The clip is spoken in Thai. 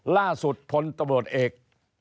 ล่าสุดพลตำรวจเอก